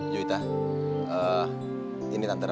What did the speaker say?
juwita eh ini tante ranti